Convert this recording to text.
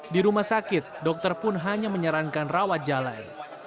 di rumah sakit dokter pun hanya menyarankan rawat jalan